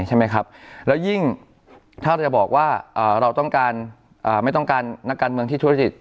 และยิ่งถ้าเราจะบอกว่าเราไม่ต้องการนักการเมืองที่ทุจริต